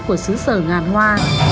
của xứ sở ngàn hoa